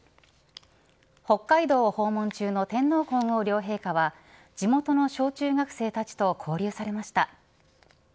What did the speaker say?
北海道を訪問中の天皇皇后両陛下は地元の小中学生たちと交流されました。